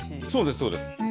そうです、そうです。